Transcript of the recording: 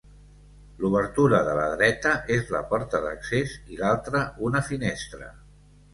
L'obertura de la dreta és la porta d'accés i l'altra, una finestra.